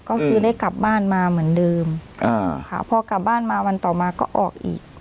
ก็คือได้กลับบ้านมาเหมือนเดิมอ่าค่ะพอกลับบ้านมาวันต่อมาก็ออกอีก